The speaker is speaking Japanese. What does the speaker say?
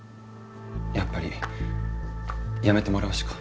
やっぱり辞めてもらうしか。